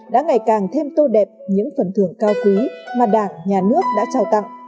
đã ngày càng thêm tô đẹp những phần thưởng cao quý mà đảng nhà nước đã trao tặng